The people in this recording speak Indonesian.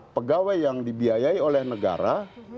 pegawai yang dibiayai oleh negara